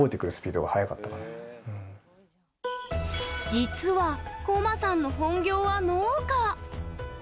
実はＣＯ‐ＭＡさんの本業は農家。